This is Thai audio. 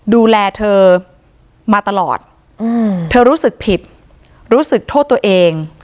ดูแลเธอมาตลอดอืมเธอรู้สึกผิดรู้สึกโทษตัวเอง